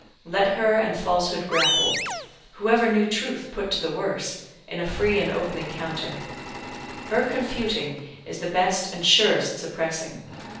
Let her and Falsehood grapple; who ever knew Truth put to the worse, in a free and open encounter? Her confuting is the best and surest suppressing.